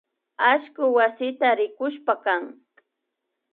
Allku wasita rikushpakan